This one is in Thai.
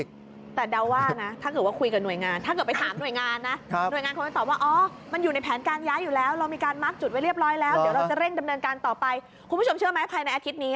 คุณผู้ชมเชื่อไหมภายในอาทิตย์นี้